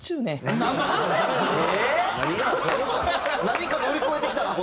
何か乗り越えてきたな